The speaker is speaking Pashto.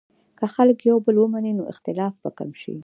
که خلک یو بل ومني، نو اختلاف به کم شي.